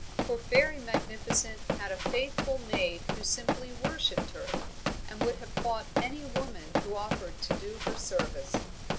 For Fairy Magnificent had a faithful maid who simply worshipped her, and would have fought any woman who offered to do her service.